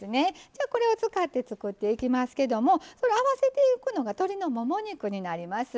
じゃこれを使って作っていきますけどもあわせていくのが鶏のもも肉になります。